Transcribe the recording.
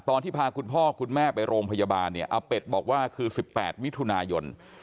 ตอนที่พาคุณพ่อคุณแม่ไปโรงพยาบาลเนี่ยอาเป็ดบอกว่าคือ๑๘มิถุนายน